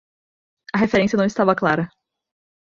A referência não estava clara